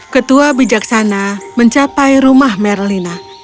ketua bijaksana mencapai rumah merlina